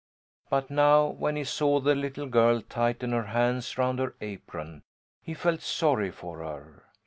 But now when he saw the little girl tighten her hands round her apron, he felt sorry for her.